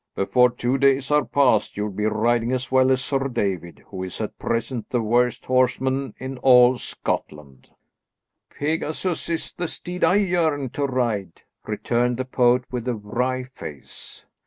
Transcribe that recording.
"Before two days are past you'll be riding as well as Sir David, who is at present the worst horseman in all Scotland." "Pegasus is the steed I yearn to ride," returned the poet, with a wry face.